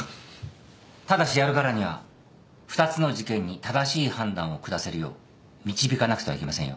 ただしやるからには２つの事件に正しい判断を下せるよう導かなくてはいけませんよ